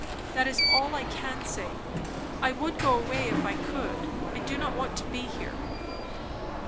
"That is all I can say. I would go away, if I could. I do not want to be here."